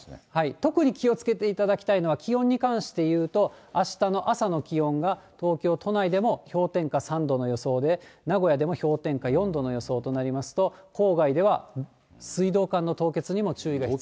特に気をつけていただきたいのが、気温に関して言うと、あしたの朝の気温が東京都内でも氷点下３度の予想で、名古屋でも氷点下４度の予想となりますと、郊外では水道管の凍結にも注意が必要。